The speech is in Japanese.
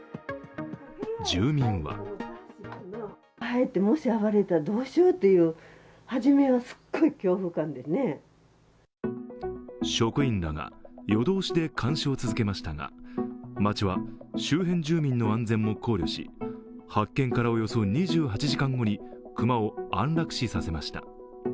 住民は職員らが夜通しで監視を続けましたが町は周辺住民の安全も考慮して発見からおよそ２８時間後に熊を安楽死させました。